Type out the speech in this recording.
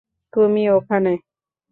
তুমি, ওখানে।